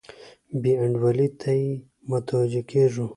بې انډولۍ ته یې متوجه کیږو.